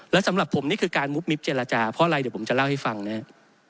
และสำหรับผมนี่คือการมุบมิบเจรจาเพราะอะไรเดี๋ยวผมจะเล่าให้ฟังนะครับ